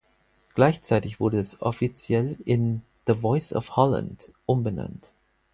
Gleichzeitig wurde es offiziell in "The Voice of Holland" umbenannt.